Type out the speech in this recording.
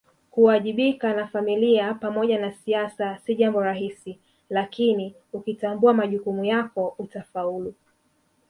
Kuwajibika na Familia pamoja na siasa si jambo rahisi lakini ukitambua majukumu yako utafaulu